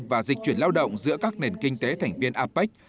và dịch chuyển lao động giữa các nền kinh tế thành viên apec